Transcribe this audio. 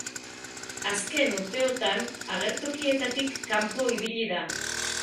Azken urteotan agertokietatik kanpo ibili da.